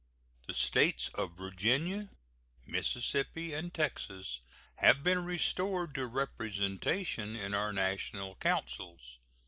The States of Virginia, Mississippi, and Texas have been restored to representation in our national councils.